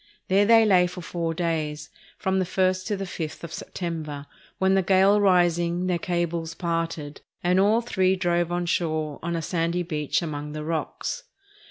There they lay for four days, from the first to the fifth of September, when the gale rising their cables parted, and all three drove on shore on a sandy beach among the rocks.